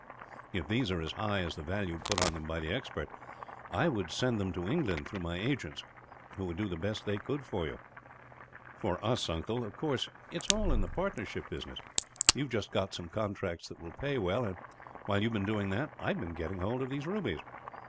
If these are as high as the value put on them by the expert, I would send them to England, through my agents, who would do the best they could for you." "For us, uncle. Of course, it is all in the partnership business. You have just got some contracts that will pay well and, while you have been doing that, I have been getting hold of these rubies."